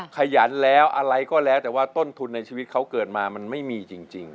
ขยันแล้วอะไรก็แล้วแต่ว่าต้นทุนในชีวิตเขาเกิดมามันไม่มีจริง